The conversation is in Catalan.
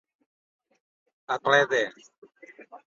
Al ple de.